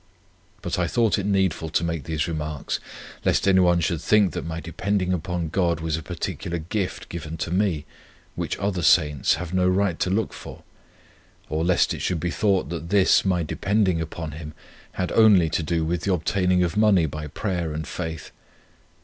But I thought it needful to make these remarks, lest anyone should think that my depending upon God was a particular gift given to me, which other saints have no right to look for; or lest it should be thought that this my depending upon Him had only to do with the obtaining of MONEY by prayer and faith.